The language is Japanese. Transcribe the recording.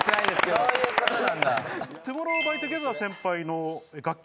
そういうことなんだ。